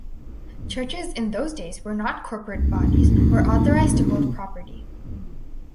Churches in those days were not corporate bodies or authorized to hold property.